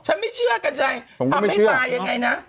ฉันไม่เชื่อกันใจทำให้ตายยังไงนะ